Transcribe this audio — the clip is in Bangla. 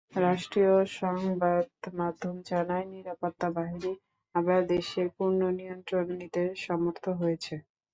রাষ্ট্রীয় সংবাদমাধ্যম জানায়, নিরাপত্তা বাহিনী আবার দেশের পূর্ণ নিয়ন্ত্রণ নিতে সমর্থ হয়েছে।